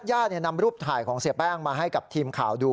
ญาตินำรูปถ่ายของเสียแป้งมาให้กับทีมข่าวดู